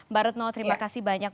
mbak retno terima kasih banyak